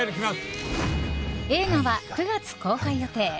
映画は９月公開予定。